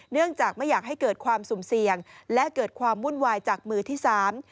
เนื่องจากไม่อยากให้เกิดความสุ่มเสี่ยงและเกิดความวุ่นวายจากมือที่สาม